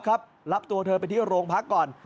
รับตัวเธอไปที่โรงพักก่อน